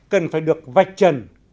cần phải được vạch trần